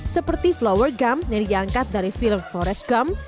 seperti flower gum yang diangkat dari film forest gum